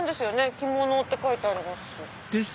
「着物」って書いてありますし。